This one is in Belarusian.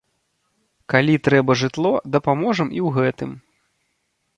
Калі трэба жытло, дапаможам і ў гэтым.